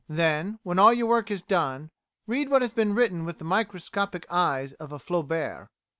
Then, when all your work is done, read what has been written with the microscopic eyes of a Flaubert.